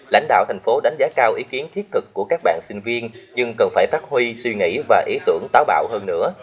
lãnh đạo thành phố đánh giá cao ý kiến thiết cực của các bạn sinh viên nhưng cần phải phát huy suy nghĩ và ý tưởng táo bạo hơn nữa